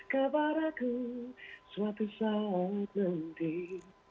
kabar aku suatu saat mending